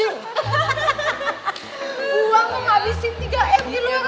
uang mau ngabisin tiga m di luar